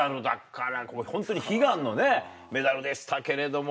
これホントに悲願のねメダルでしたけれども。